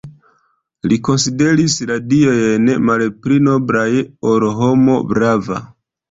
Li konsideris la diojn malpli noblaj ol homo brava.